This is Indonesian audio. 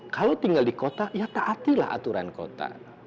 kalau tinggal di kota ya taatilah aturan kota